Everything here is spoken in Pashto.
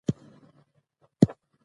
سیاسي مشارکت د ولس غږ لوړوي